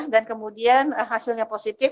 dan kemudian hasilnya positif